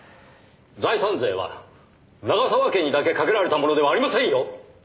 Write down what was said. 財産税は永沢家にだけかけられたものではありませんよ。